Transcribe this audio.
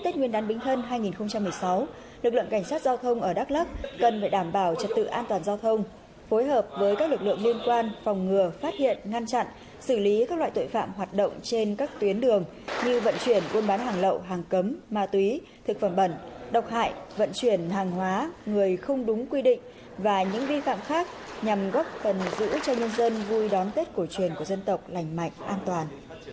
cảnh sát giao thông ở đắk lắk cần phải đảm bảo trật tự an toàn giao thông phối hợp với các lực lượng liên quan phòng ngừa phát hiện ngăn chặn xử lý các loại tội phạm hoạt động trên các tuyến đường như vận chuyển quân bán hàng lậu hàng cấm ma túy thực phẩm bẩn độc hại vận chuyển hàng hóa người không đúng quy định và những vi phạm khác nhằm góp phần giữ cho nhân dân vui đón tết cổ truyền của dân tộc lành mạnh an toàn